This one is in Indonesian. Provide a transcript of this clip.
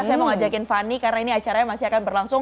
saya mau ngajakin fani karena ini acaranya masih akan berlangsung